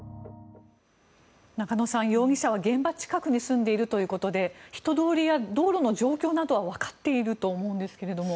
中野さん、容疑者は現場近くに住んでいるということで人通りや道路の状況などはわかっていると思うんですが。